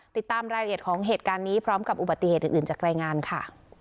ติดตามรายละเอียดของเหตุการณ์นี้พร้อมกับอุบัติเหตุอื่นจากรายงานค่ะ